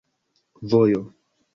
vojo